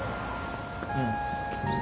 うん。